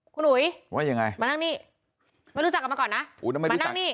คุณอุ๋ยว่ายังไงมานั่งนี่ไม่รู้จักกันมาก่อนนะมานั่งนี่